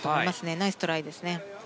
ナイストライですね。